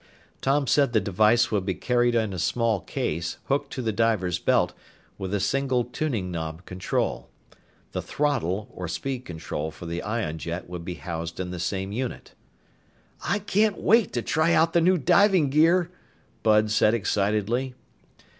Tom said the device would be carried in a small case, hooked to the diver's belt, with a single tuning knob control. The "throttle" or speed control for the ion drive would be housed in the same unit. "I can't wait to try out the new diving gear," Bud said excitedly.